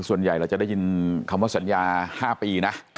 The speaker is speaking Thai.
ส่วนใหญ่เราจะได้ยินคำว่าสัญญา๕ปีนะ